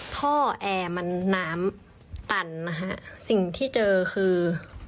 ท่อแอร์มันน้ำตันนะฮะสิ่งที่เจอคือ